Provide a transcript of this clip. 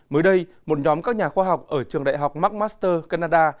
mới đây một nhóm các nhà khoa học ở trường đại học mcmaster canada